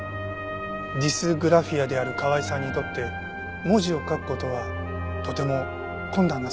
ディスグラフィアである川井さんにとって文字を書く事はとても困難な作業です。